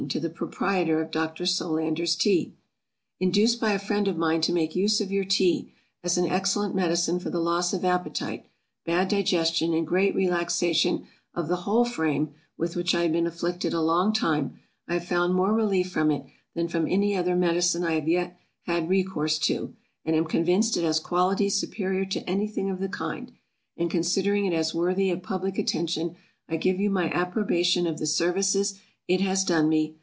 To the Proprietor of Dr. Solander's Tea. INDUCED by a friend of mine to make use of your Tea, as an excellent medicine for the loss of appetite, bad digestion, and great relaxation of the whole frame, with which I had been afflicted a long time, I have found more relief from it, than from any other medicine I have yet had recourse to, and am convinced it has qualities superior to any thing of the kind; and considering it as worthy of public attention, I give you my approbation of the services it has done me.